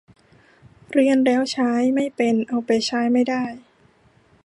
เรียนแล้วใช้ไม่เป็น เอาไปใช้ไม่ได้